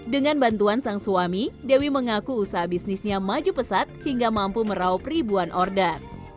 dengan bantuan sang suami dewi mengaku usaha bisnisnya maju pesat hingga mampu meraup ribuan order